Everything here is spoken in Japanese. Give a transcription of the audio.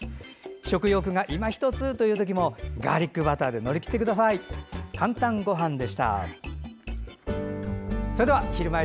食欲がいまひとつというときもガーリックバターで乗り切ってください。